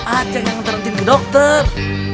acing yang ntar entin ke dokter